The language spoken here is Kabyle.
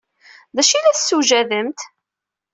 D acu ay la d-tessewjademt?